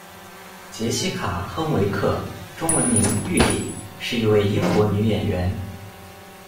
洁西卡·亨维克，中文名玉李，是一位英国女演员。